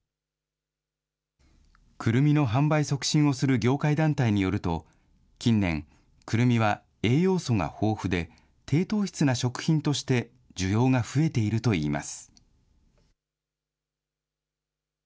くるみの販売促進をする業界団体によると、近年、くるみは栄養素が豊富で、低糖質な食品として需要が増えているといいます。